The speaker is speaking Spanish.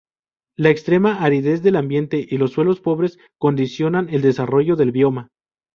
La extrema aridez del ambiente y los suelos pobres condicionan el desarrollo del bioma.